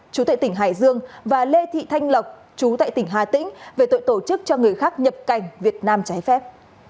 chú tệ tỉnh hải dương và lê thị thanh lộc chú tại tỉnh hà tĩnh về tội tổ chức cho người khác nhập cảnh việt nam trái phép